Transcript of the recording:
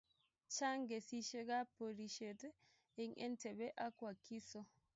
Chang kesishek ab porishet en entebbe ak wakiso